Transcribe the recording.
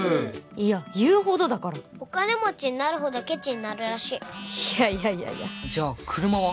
いや言うほどだからお金持ちになるほどケチになるらしいいやいやじゃあ車は？